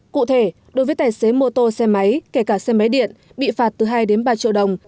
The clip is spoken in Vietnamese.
cụ thể đối với tài xế mô tô xe máy kể cả xe máy điện bị phạt từ hai đến ba triệu đồng